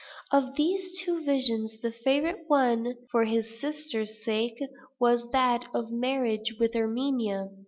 Of these two visions, the favorite one (for his sister's sake) was that of marriage with Erminia.